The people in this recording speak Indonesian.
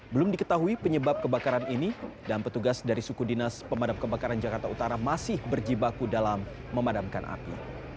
belum diketahui penyebab kebakaran ini dan petugas dari suku dinas pemadam kebakaran jakarta utara masih berjibaku dalam memadamkan api